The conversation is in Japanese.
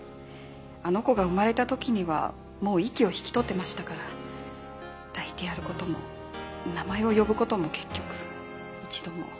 あの子が生まれた時にはもう息を引き取ってましたから抱いてやる事も名前を呼ぶ事も結局一度も。